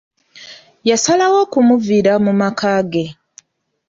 Yasalawo okumuviira mu maka ge.